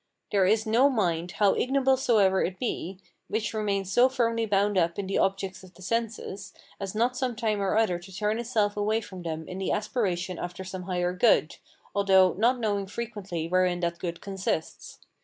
There is no mind, how ignoble soever it be, which remains so firmly bound up in the objects of the senses, as not sometime or other to turn itself away from them in the aspiration after some higher good, although not knowing frequently wherein that good consists.